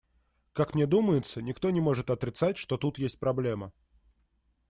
Как мне думается, никто не может отрицать, что тут есть проблема.